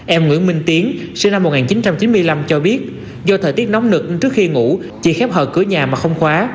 em nguyễn minh tiến sinh năm một nghìn chín trăm chín mươi năm cho biết do thời tiết nóng nực trước khi ngủ chỉ khép hờ cửa nhà mà không khóa